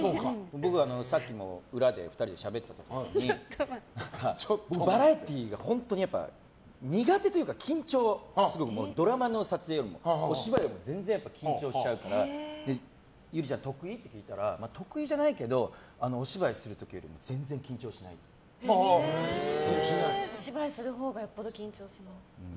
僕、さっきも裏で２人でしゃべってた時にバラエティーが本当に苦手というか緊張ドラマの撮影より、お芝居より全然緊張しちゃうからゆりちゃん、得意？って聞いたら得意じゃないけどお芝居する時よりもお芝居するほうがよっぽど緊張します。